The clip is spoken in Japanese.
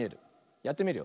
やってみるよ。